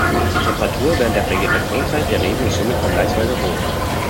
Die Temperatur während der Vegetationszeit der Reben ist somit vergleichsweise hoch.